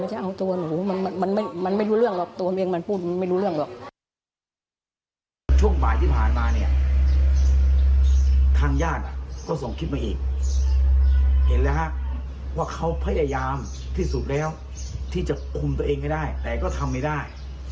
เห็นแล้วฮะว่าเขาพยายามที่สุดแล้วที่จะคุมตัวเองให้ได้แต่ก็ทำไม่ได้